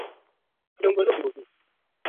Kasa alivuliwa na wavuvi.